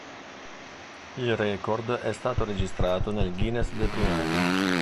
Il record è stato registrato nel Guinness dei primati.